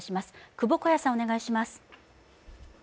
窪小谷さん、お願いします。